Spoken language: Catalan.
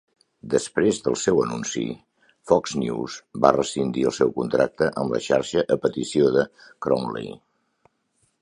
Després del seu anunci, Fox News va rescindir el seu contracte amb la xarxa a petició de Crowley.